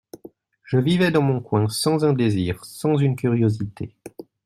Je vivais dans mon coin, sans un désir, sans une curiosité.